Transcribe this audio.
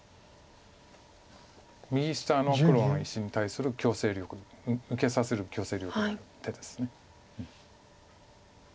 右下の黒の石に対する強制力も受けさせる強制力のある手です。